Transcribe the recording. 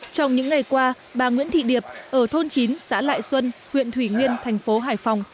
trong những ngày qua bà nguyễn thị điệp ở thôn chín xã lại xuân huyện thủy nguyên thành phố hải phòng